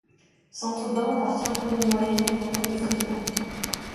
Saint-Aubin appartient aux communes moyennes du canton de Fribourg.